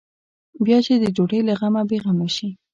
بیا چې د ډوډۍ له غمه بې غمه شي.